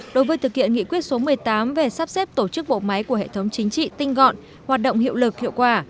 đối với thực hiện nghị quyết số một mươi tám về sắp xếp tổ chức bộ máy của hệ thống chính trị tinh gọn hoạt động hiệu lực hiệu quả